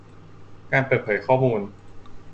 การเปิดเผยข้อมูล